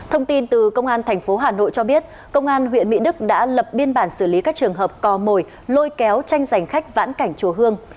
thông tin từ công an tp hà nội cho biết công an huyện mỹ đức đã lập biên bản xử lý các trường hợp cò mồi lôi kéo tranh giành khách vãn cảnh chùa hương